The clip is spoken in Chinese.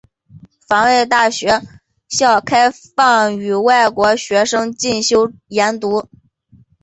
防卫大学校开放予外国学生进修研读。